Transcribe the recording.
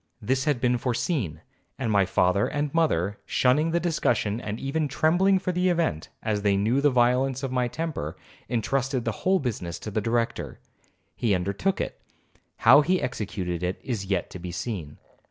This had been foreseen, and my father and mother, shunning the discussion and even trembling for the event, as they knew the violence of my temper, intrusted the whole business to the Director. He undertook it,—how he executed it is yet to be seen.